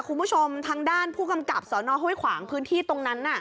คุณผู้ชมทางด้านผู้กำกับสนห้วยขวางพื้นที่ตรงนั้นน่ะ